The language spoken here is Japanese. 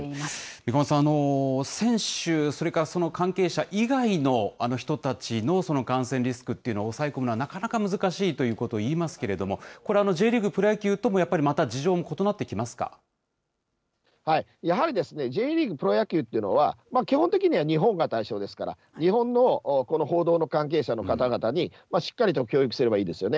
三鴨さん、選手、それからその関係者以外の人たちの感染リスクというのを抑えるというのはなかなか難しいということをいいますけれども、これＪリーグ、プロ野球ともやっぱりまた事情も異なやはりですね、Ｊリーグ、プロ野球というのは、基本的には日本が対象ですから、日本の報道の関係者の方々にしっかりと教育すればいいですよね。